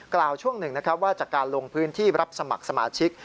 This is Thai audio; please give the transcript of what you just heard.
กล่าวช่วงหนึ่งว่าจากการลงพื้นที่รับสมัครสมาชิก